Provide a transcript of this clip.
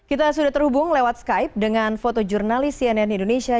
kita sudah terhubung lewat skype dengan fotojurnalis cnn indonesia